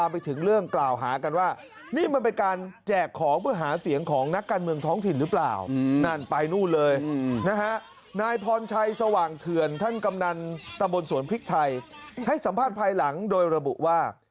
เผื่อท่านกำนันตะบนสวนพริกไทยให้สัมภาษณ์ภายหลังโดยระบุว่า